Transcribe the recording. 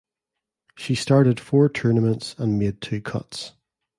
She started four tournaments and made two cuts.